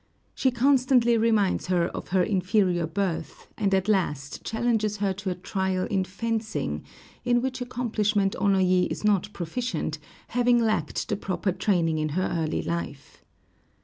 She constantly reminds her of her inferior birth, and at last challenges her to a trial in fencing, in which accomplishment Onoyé is not proficient, having lacked the proper training in her early life.